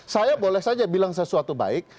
saya boleh saja bilang sesuatu baik